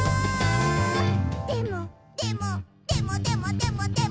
でも、でも、でもでもでもでも」